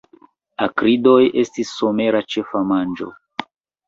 Akridoj estis somera ĉefa manĝo.